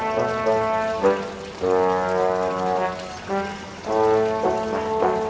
dan ini dia oh iya